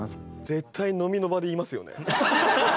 絶対飲みの場で言いますよね。